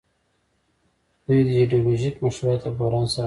دوی د ایډیولوژیک مشروعیت له بحران سره مخ کیږي.